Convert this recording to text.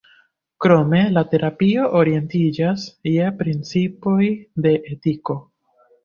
Krome la terapio orientiĝas je principoj de etiko.